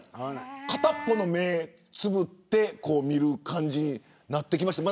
片方の目をつぶって見る感じになってきました。